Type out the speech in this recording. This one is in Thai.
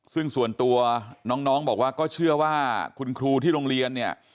ซึ่งส่วนตัวน้องบอกว่าก็เชื่อว่าคุณครูที่โรงเรียนเนี่ย